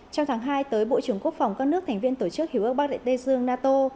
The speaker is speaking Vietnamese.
trong tháng hai tới bộ trưởng quốc phòng các nước thành viên tổ chức hiểu ước bắc đại tây dương nato